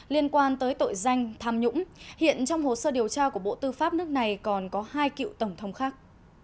liên quan tới tội danh tham nhũng hiện trong hồ sơ điều tra của bộ tư pháp nước này còn có hai cựu tổng thống khác